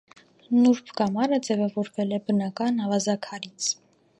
Նուրբ կամարը ձևավորվել է բնական ավազաքարից։